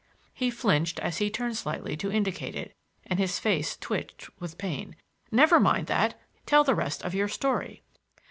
He flinched as be turned slightly to indicate it, and his face twitched with pain. "Never mind that; tell the rest of your story."